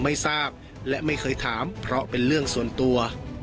ไม่ทราบและไม่เคยถามเพราะเป็นเรื่องส่วนตัว